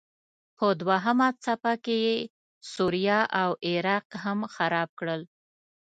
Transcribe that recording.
په دوهمه څپه کې یې سوریه او عراق هم خراب کړل.